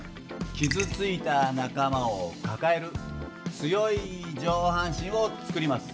傷ついた仲間を抱える強い上半身を作ります。